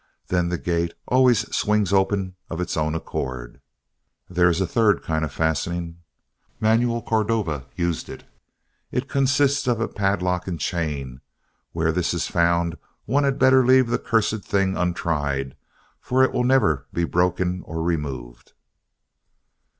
Then the gate always swings open of its own accord. There is a third kind of fastening. Manuel Cordova used it. It consists of a padlock and chain and where this is found one had better leave the cursed thing untried for it will never be broken or removed.